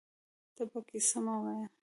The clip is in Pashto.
ته پکې څه مه وايه